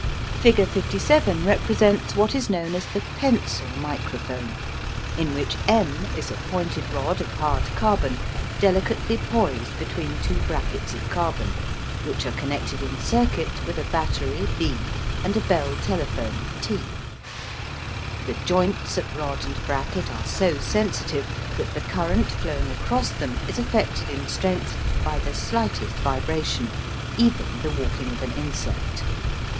Figure 57 represents what is known as the "pencil" microphone, in which M is a pointed rod of hard carbon, delicately poised between two brackets of carbon, which are connected in circuit with a battery B and a Bell telephone T. The joints of rod and bracket are so sensitive that the current flowing across them is affected in strength by the slightest vibration, even the walking of an insect.